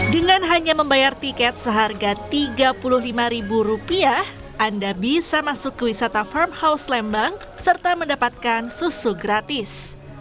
dengan hanya membayar tiket seharga rp tiga puluh lima anda bisa masuk ke wisata farm house lembang serta mendapatkan susu gratis